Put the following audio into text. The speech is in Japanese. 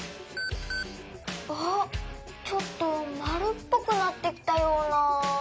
あっちょっとまるっぽくなってきたような。